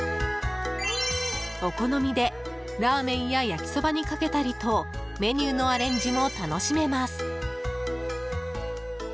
お好みで、ラーメンや焼きそばにかけたりとメニューのアレンジも楽しめます。